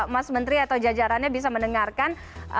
mas menteri atau jajarannya bisa mendengarkan